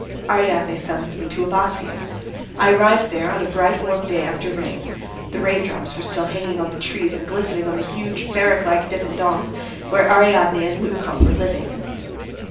Ariadne summoned me to Abbazzia. I arrived there on a bright warm day after rain; the rain drops were still hanging on the trees and glistening on the huge, barrack like dépendance where Ariadne and Lubkov were living.